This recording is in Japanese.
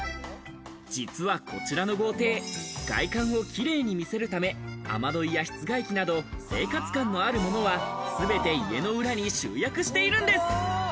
実はこちらの豪邸、外観をキレイに見せるため、雨どいや室外機など、生活感のあるものは全て家の裏に集約しているんです。